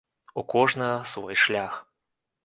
У кожнага свой шлях.